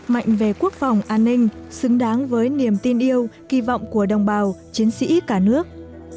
mạnh về quốc phòng an ninh xứng đáng với niềm tin yêu kỳ vọng của đồng bào chiến sĩ cả nước